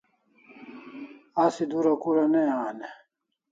Asi dura kura ne an e?